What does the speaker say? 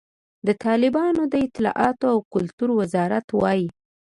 د طالبانو د اطلاعاتو او کلتور وزارت وایي،